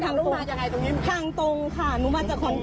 ข้างตรงข้างตรงค่ะหนูมาจากขอนแก่นค่ะ